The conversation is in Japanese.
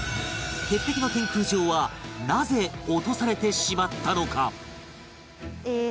鉄壁の天空城はなぜ落とされてしまったのか？